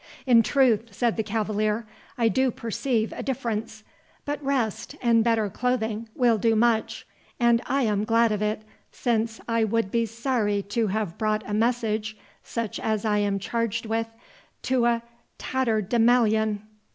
"In truth," said the cavalier, "I do perceive a difference, but rest, and better clothing, will do much; and I am glad of it, since I would be sorry to have brought a message, such as I am charged with, to a tatterdemalion."